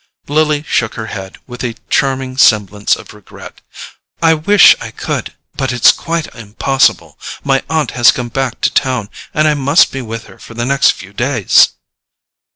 Lily shook her head with a charming semblance of regret. "I wish I could—but it's quite impossible. My aunt has come back to town, and I must be with her for the next few days."